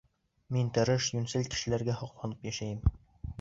Мин тырыш, йүнсел кешеләргә һоҡланып йәшәйем.